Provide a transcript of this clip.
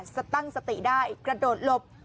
ตั้งสติได้กระโดดหลบ